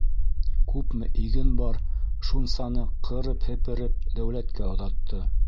Күпме иген бар - шунсаны ҡырып-һепереп дәүләткә оҙатты.